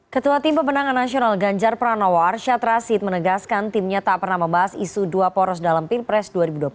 ketua tim pemenangan nasional ganjar pranowo arsyad rashid menegaskan timnya tak pernah membahas isu dua poros dalam pilpres dua ribu dua puluh empat